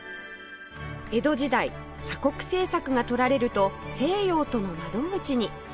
江戸時代鎖国政策が取られると西洋との窓口に